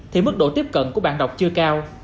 thì mức độ tiếp cận của bạn đọc chưa cao